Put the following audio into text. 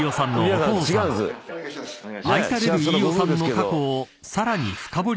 ［愛される飯尾さんの過去をさらに深堀りすることに］